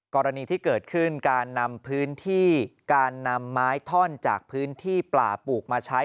กรณีที่เกิดขึ้นการนำพื้นที่การนำไม้ท่อนจากพื้นที่ป่าปลูกมาใช้